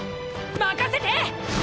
任せて！